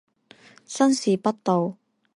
新北市道